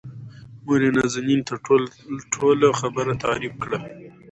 موريې نازنين ته ټوله خبره تعريف کړه.